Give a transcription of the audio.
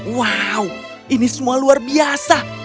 wow ini semua luar biasa